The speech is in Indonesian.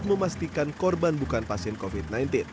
memastikan korban bukan pasien covid sembilan belas